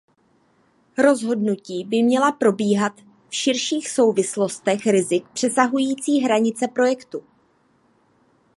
Rozhodnutí by měla probíhat v širších souvislostech rizik přesahující hranice projektu.